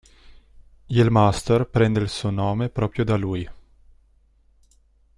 Il Munster prende il suo nome proprio da lui.